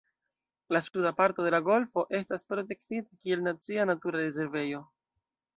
La suda parto de la golfo estas protektita kiel nacia natura rezervejo.